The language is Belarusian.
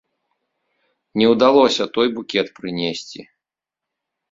Не ўдалося той букет прынесці.